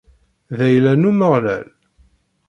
D ayla n Umeɣlal!